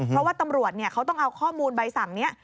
เพราะว่าตำรวจเขาต้องเอาข้อมูลใบสั่งนี้